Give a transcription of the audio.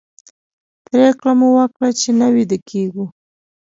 پرېکړه مو وکړه چې نه ویده کېږو.